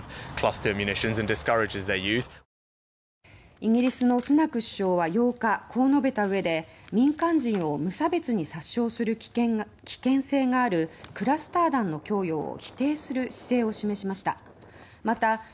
イギリスのスナク首相は８日こう述べた上で民間人を無差別に殺傷する危険性があるクラスター弾の供与を否定する姿勢を示しました。